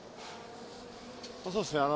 そうですね。